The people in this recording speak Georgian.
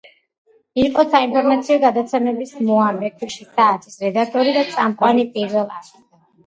იყო საინფორმაციო გადაცემების „მოამბე“ „ქვიშის საათი“ რედაქტორი და წამყვანი პირველ არხზე.